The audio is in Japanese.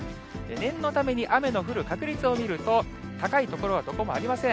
念のために雨の降る確率を見ると、高い所はどこもありません。